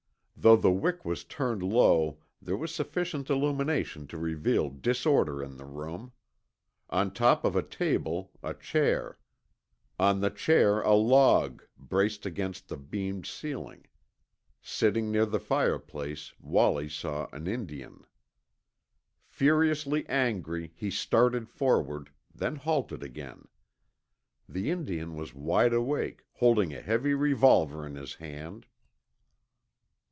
Though the wick was turned low, there was sufficient illumination to reveal disorder in the room. On top of a table, a chair; on the chair a log, braced against the beamed ceiling. Sitting near the fireplace, Wallie saw an Indian. Furiously angry, he started forward, then halted again. The Indian was wide awake, holding a heavy revolver in his hand.